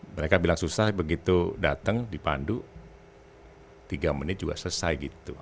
mereka bilang susah begitu datang dipandu tiga menit juga selesai gitu